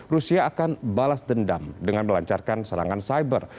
rusia akan balas dendam dengan melancarkan serangan cyber